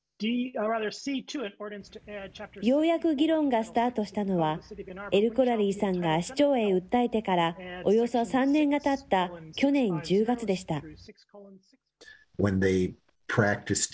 ようやく議論がスタートしたのは、エルコラリーさんが市長へ訴えてからおよそ３年がたった、去年１０月でした。